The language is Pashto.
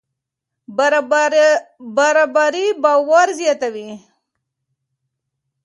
برابري باور زیاتوي.